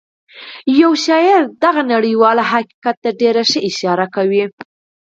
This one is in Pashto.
یو شاعر دغه نړیوال حقیقت ته ډېره ښه اشاره کوي